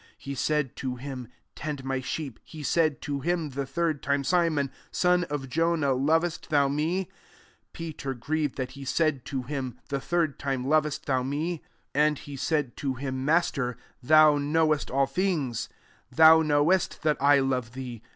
He said to him, " Tend my sheep." 17 He said to him the third time, " Simon son of Jonah, lovest thou me ?" Peter grieved that he said to him the third time, " Lovest thoti me ?" and he said to him, " Master, thou knowest all things ; thou know est that I love thee."